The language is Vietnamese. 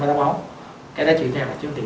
cái thói quen cái đó là chuyện nào mà chúng ta